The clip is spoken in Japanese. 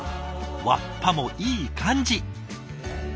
わっぱもいい感じ。